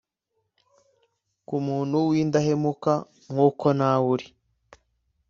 Ku muntu w indahemuka nkuko nawe uri